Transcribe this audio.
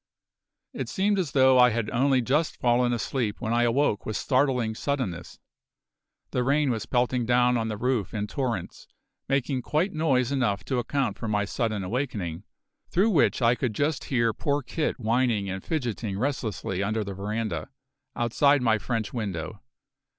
It seemed as though I had only just fallen asleep when I awoke with startling suddenness. The rain was pelting down on the roof in torrents, making quite noise enough to account for my sudden awakening, through which I could just hear poor Kit whining and fidgeting restlessly under the veranda, outside my French window.